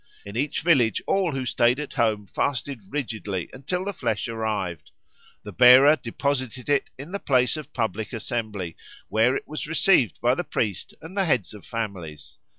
In each village all who stayed at home fasted rigidly until the flesh arrived. The bearer deposited it in the place of public assembly, where it was received by the priest and the heads of families.